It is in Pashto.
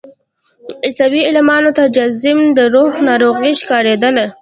عیسوي عالمانو ته جذام د روح ناروغي ښکارېدله.